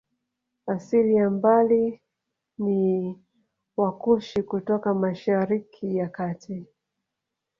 Asili ya mbali ni Wakushi kutoka Mashariki ya Kati